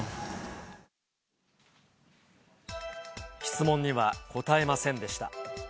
質問には答えませんでした。